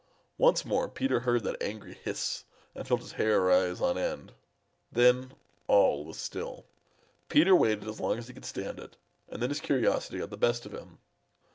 Once more Peter beard that angry hiss and felt his hair rise on end. Then all was still. Peter waited as long as he could stand it, and then his curiosity got the best of him.